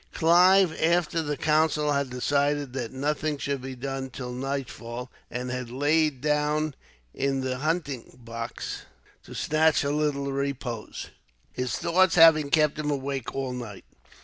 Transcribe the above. Clive, after the council had decided that nothing should be done till nightfall, had lain down in the hunting box to snatch a little repose, his thoughts having kept him awake all night.